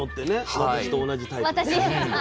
私と同じタイプなんですよね。